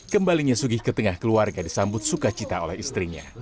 kembalinya sugih ke tengah keluarga disambut sukacita oleh istrinya